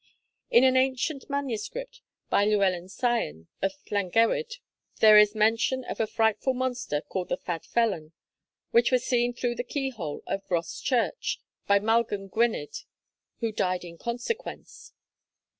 In an ancient MS. by Llywelyn Sion, of Llangewydd, there is mention of a frightful monster called the Fad Felen, which was seen through the key hole of Rhos church by Maelgwn Gwynedd, who 'died in consequence.'